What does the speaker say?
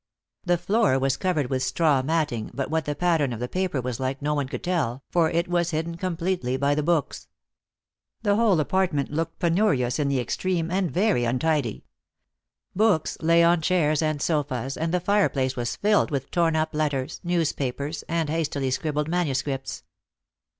The floor was covered with straw matting, but what the pattern of the paper was like no one could tell, for it was hidden completely by the books. The whole apartment looked penurious in the extreme and very untidy. Books lay on chairs and sofas, and the fireplace was filled with torn up letters, newspapers, and hastily scribbled manuscripts.